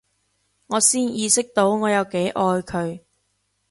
我先意識到我有幾愛佢